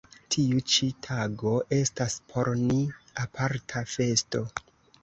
Tiu ĉi tago estas por ni aparta festo.